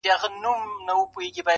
په دې کورکي رنګ په رنګ وه سامانونه -